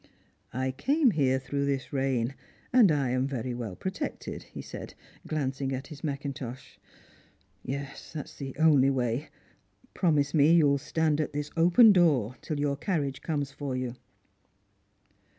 " I came here through this rain, and I am very well pro tected," he said, glancing at his macintosh. " Yes, that is the only way. Promise me that you will stand at this open door till your carriage comes for you.